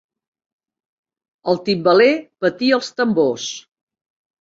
El timbaler batia els tambors.